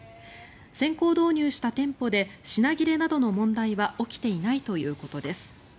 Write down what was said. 先行導入した店舗で品切れなどの問題は起きていないということです。